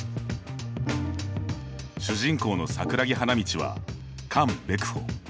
主人公の桜木花道はカン・ベクホ。